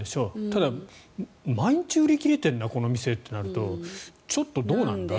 ただ、毎日売り切れているなこの店？となるとちょっとどうなんだ？